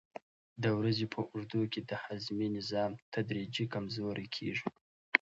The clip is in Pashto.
د ورځې په اوږدو کې د هاضمې نظام تدریجي کمزوری کېږي.